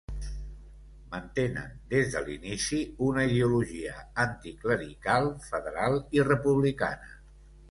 Mantenen des de l'inici una ideologia anticlerical, federal i republicana.